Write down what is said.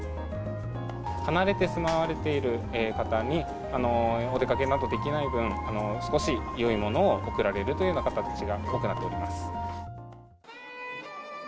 離れて住まわれている方に、お出かけなどできない分、少しよいものを贈られるというような形が多くなっております。